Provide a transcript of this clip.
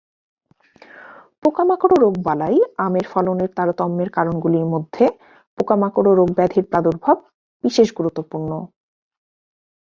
পোকামাকড় ও রোগবালাই আমের ফলনের তারতম্যের কারণগুলির মধ্যে পোকামাকড় ও রোগব্যাধির প্রাদুর্ভাব বিশেষ গুরুত্বপূর্ণ।